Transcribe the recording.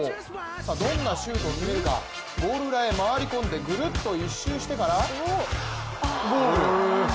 どんなシュートを決めるか、ゴール裏へ回り込んでぐるっと一周してからゴール。